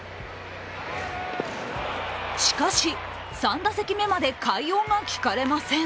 しかし、３打席目まで快音が聞かれません。